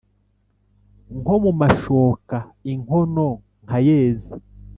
Nko mu mashoka inkono nkayeza!"